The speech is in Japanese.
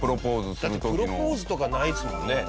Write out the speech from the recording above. だってプロポーズとかないですもんね。